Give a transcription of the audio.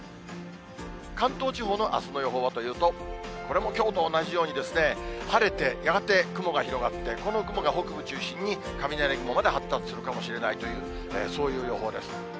関東地方のあすの予報はというと、これもきょうと同じように、晴れて、やがて雲が広がって、この雲が北部中心に雷雲まで発達するかもしれないという、そういう予報です。